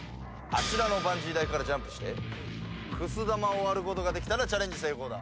あちらのバンジー台からジャンプしてくす玉を割ることができたらチャレンジ成功だ。